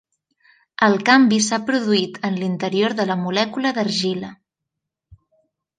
El canvi s'ha produït en l'interior de la molècula d'argila.